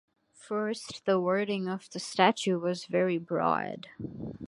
First, the wording of the statute was very broad.